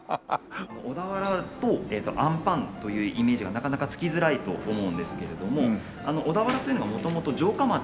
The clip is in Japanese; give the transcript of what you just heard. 小田原とあんぱんというイメージがなかなかつきづらいと思うんですけれども小田原というのが元々城下町。